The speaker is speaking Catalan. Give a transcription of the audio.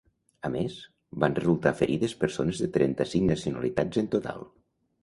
A més, van resultar ferides persones de trenta-cinc nacionalitats en total.